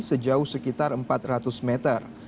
sejauh sekitar empat ratus meter